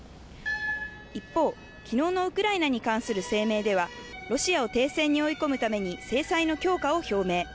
一方、きのうのウクライナに関する声明では、ロシアを停戦に追い込むために、制裁の強化を表明。